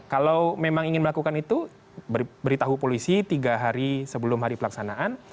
kalau memang ingin melakukan itu beritahu polisi tiga hari sebelum hari pelaksanaan